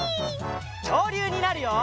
きょうりゅうになるよ！